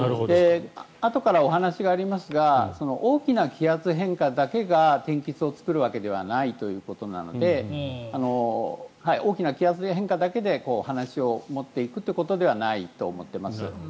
あとからお話がありますが大きな気圧変化だけが天気痛を作るわけではないということなので大きな気圧変化だけで話を持っていくということではないと思っています。